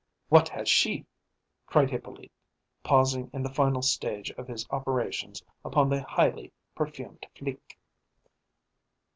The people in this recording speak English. "What has she?" cried Hippolyte, pausing in the final stage of his operations upon the highly perfumed Flique.